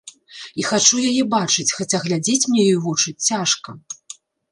І хачу яе бачыць, хаця глядзець мне ёй у вочы цяжка.